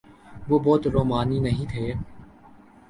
وہ بہت رومانی نہیں تھا۔